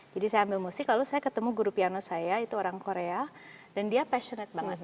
saya ambil musik lalu saya ketemu guru piano saya itu orang korea dan dia passionate banget